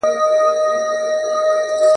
څو سيندونه لا بهيږي ,